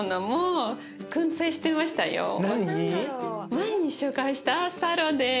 前に紹介したサーロです。